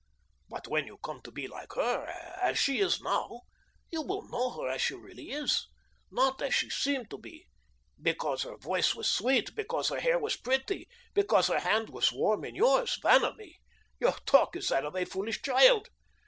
But when you come to be like her, as she is now, you will know her as she really is, not as she seemed to be, because her voice was sweet, because her hair was pretty, because her hand was warm in yours. Vanamee, your talk is that of a foolish child.